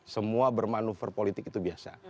semua bermanuver politik itu biasa